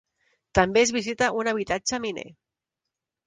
També es visita un habitatge miner.